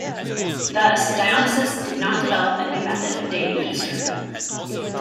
Thus Dionysius did not develop a new method of dating Easter.